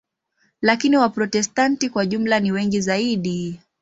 Lakini Waprotestanti kwa jumla ni wengi zaidi.